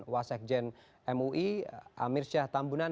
wasekjen mui amir syah tambunan